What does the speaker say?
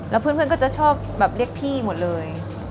แล้วเพื่อนก็จะชอบแบบเรียกพี่หมดเลย